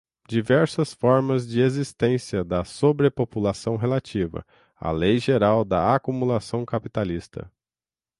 Diversas formas de existência da sobrepopulação relativa. A lei geral da acumulação capitalista